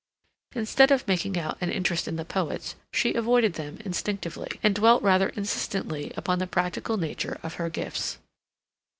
Instead of making out an interest in the poets, she avoided them instinctively, and dwelt rather insistently upon the practical nature of her gifts.